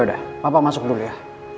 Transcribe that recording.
yaudah papa masuk dulu ya